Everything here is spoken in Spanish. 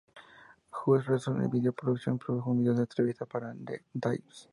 Just Results Video Productions produjo un video de la entrevista para "The Times".